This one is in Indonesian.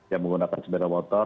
yang menggunakan sepeda motor